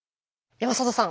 山里さん。